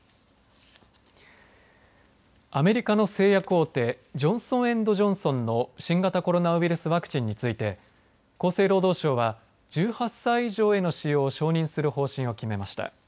アメリカの製薬大手ジョンソン・エンド・ジョンソンの新型コロナウイルスワクチンについて厚生労働省は１８歳以上への使用を承認する方針を決めました。